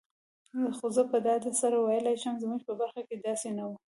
خو زه په ډاډ سره ویلای شم، زموږ په برخه کي داسي نه وو.